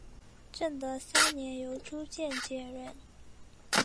正德三年由朱鉴接任。